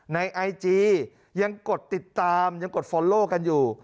ไอจียังกดติดตามยังกดฟอลโลกันอยู่